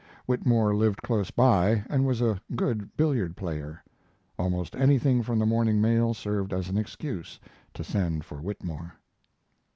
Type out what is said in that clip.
Whitmore lived close by, and was a good billiard player. Almost anything from the morning mail served as an excuse to send for Whitmore.